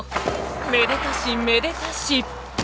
［めでたしめでたし］